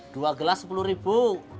dua gelas sepuluh ribu